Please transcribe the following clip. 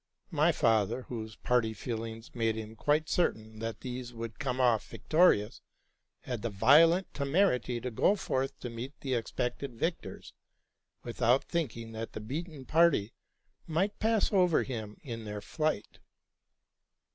My father, whose party feelings made him quite certain that these would come off victorious, had the violent temerity to go forth to meet the expected victors, without thinking that the beaten party must pass over him in their flight.